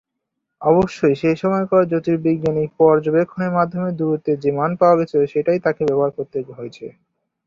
অবশ্যই সে সময়কার জ্যোতির্বৈজ্ঞানিক পর্যবেক্ষণের মাধ্যমে দূরত্বের যে মান পাওয়া গিয়েছিল সেটাই তাকে ব্যবহার করতে হয়েছে।